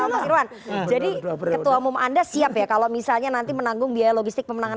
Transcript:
mas irwan jadi ketua umum anda siap ya kalau misalnya nanti menanggung biaya logistik pemenangan